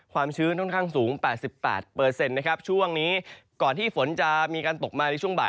ความชื้นค่อนข้างสูง๘๘นะครับช่วงนี้ก่อนที่ฝนจะมีการตกมาในช่วงบ่าย